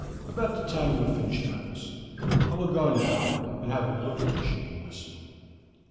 "About the time you have finished breakfast. I will go now, and have a look at the shipping list."